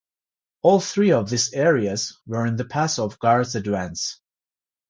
All three of these areas were in the path of the Guards advance.